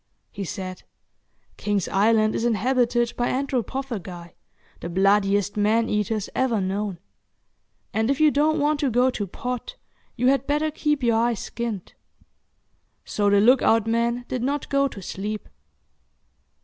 He said, "King's Island is inhabited by anthropophagi, the bloodiest man eaters ever known; and, if you don't want to go to pot, you had better keep your eyes skinned." So the look out man did not go to sleep.